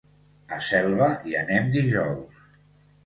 A Selva hi anem dijous.